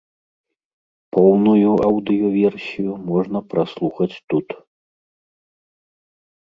Поўную аўдыёверсію можна праслухаць тут.